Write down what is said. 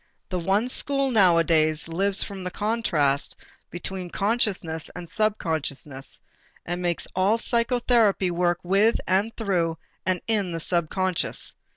The one school nowadays lives from the contrast between consciousness and subconsciousness and makes all psychotherapy work with and through and in the subconscious.